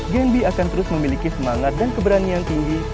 genby akan terus memiliki semangat dan keberanian tinggi